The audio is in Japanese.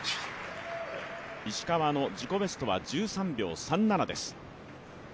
石川の自己ベストは１３秒３７です。